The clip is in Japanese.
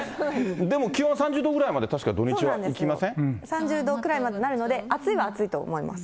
でも気温は３０度ぐらいまで、３０度くらいまでなるので、暑いは暑いと思います。